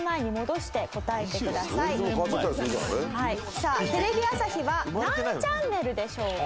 さあテレビ朝日は何チャンネルでしょうか？